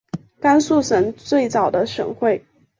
甘肃省最早的省会。